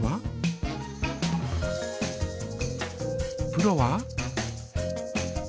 プロは？